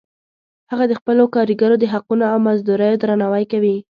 هغه د خپلو کاریګرو د حقونو او مزدوریو درناوی کوي